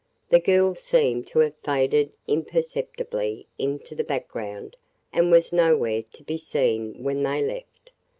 The girl seemed to have faded imperceptibly into the background and was nowhere to be seen when they left.